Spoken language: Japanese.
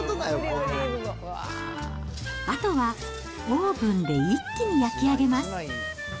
あとはオーブンで一気に焼き上げます。